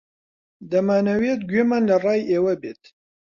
دەمانەوێت گوێمان لە ڕای ئێوە بێت.